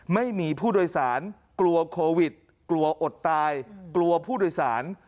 ไม่มีผู้โดยสารกลัวโควิดกลัวอดตายกลัวผู้โดยสาร